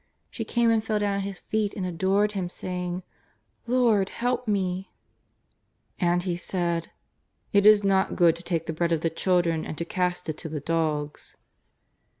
She came and fell down at His feet and adored Him, saying: ^' Lord, help me !" And He said :*' It is not good to take the bread of the children and to cast it to the dogs."